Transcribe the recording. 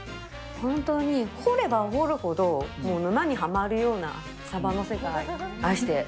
本当に掘れば掘るほど沼にハマるようなサバの世界。